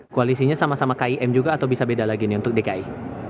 koalisinya sama sama kim juga atau bisa beda lagi nih untuk dki